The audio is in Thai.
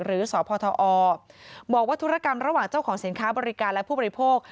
หรือสพทอบอกว่าธุรกรรมระหว่างเจ้าของสินค้าบริการและผู้บริโภค